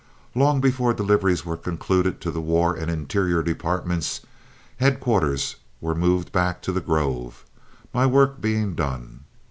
Long before deliveries were concluded to the War or Interior departments, headquarters were moved back to The Grove, my work being done.